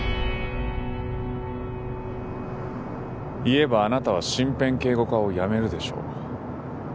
言えばあなたは身辺警護課を辞めるでしょう？